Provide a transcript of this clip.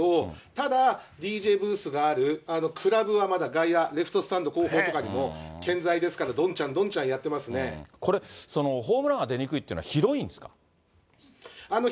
ただ、ＤＪブースがある、クラブはまだ外野、レフトスタンド後方とかにも健在ですから、どんちゃんどんちゃんホームランが出にくいという広いです。